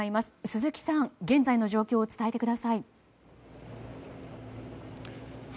鈴木さん、現在の状況を伝えてください。